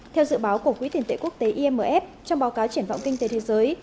theo dự báo của quỹ tiền tệ quốc tế imf trong báo cáo triển vọng kinh tế thế giới